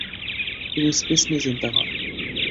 তুমি স্পেস নিয়ে চিন্তা কর।